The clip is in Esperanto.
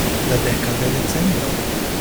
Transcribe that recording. La dekan de Decembro!